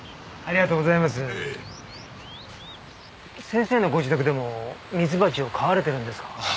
先生のご自宅でもミツバチを飼われてるんですか？